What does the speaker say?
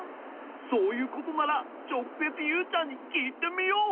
そういうことならちょくせつユウちゃんにきいてみよう。